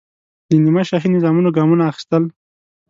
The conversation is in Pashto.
د نیمه شاهي نظامونو ګامونه اخیستل.